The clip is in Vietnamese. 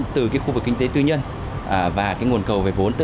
từ khu vực kinh tế tư nhân và nguồn cầu về vốn